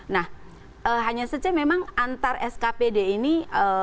nah hanya saja memang antar skpd ini